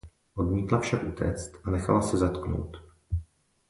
Odmítla však utéct a nechala se zatknout.